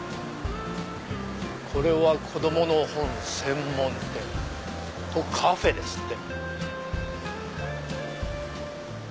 これは「こどもの本専門店」と「カフェ」ですって。